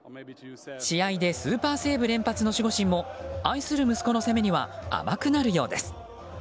試合でスーパーセーブ連発の守護神も愛する息子の攻めには甘くなるようです。